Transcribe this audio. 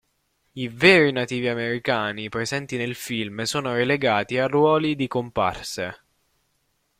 I "veri" nativi americani presenti nel film sono relegati a ruoli di comparse.